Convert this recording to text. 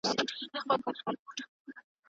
ننوځئ د روغتیا باغ ته.